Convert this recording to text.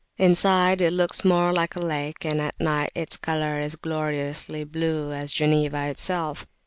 Inside it looks more like a lake, and at night its colour is gloriously blue as Geneva itself.